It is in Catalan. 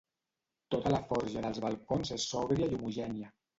Tota la forja dels balcons és sòbria i homogènia.